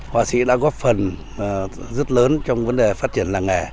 họa sĩ đã góp phần rất lớn trong vấn đề phát triển làng nghề